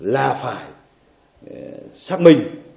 là phải xác minh